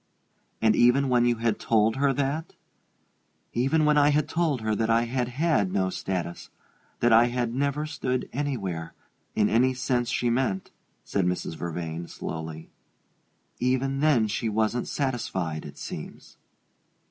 "And even when you had told her that " "Even when I had told her that I had had no status that I had never stood anywhere, in any sense she meant," said Mrs. Vervain, slowly "even then she wasn't satisfied, it seems."